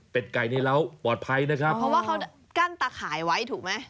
เป็นไก่นี่แล้วปลอดภัยนะครับเพราะว่าเขากั้นตาข่ายไว้ถูกไหม